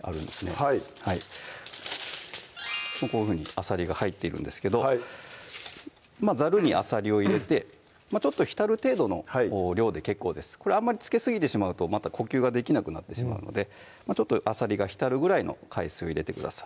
はいこういうふうにあさりが入っているんですけどざるにあさりを入れてちょっと浸る程度の量で結構ですあんまりつけすぎてしまうとまた呼吸ができなくなってしまうのでちょっとあさりが浸るぐらいの海水を入れてください